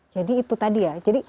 jadi itu tadi ya